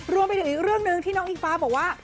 รวมไปถึงอีกเรื่องหนึ่งที่น้องอิงฟ้าบอกว่า